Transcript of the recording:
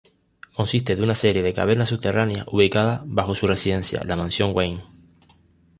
Consiste de una serie de cavernas subterráneas ubicadas bajo su residencia, la Mansión Wayne.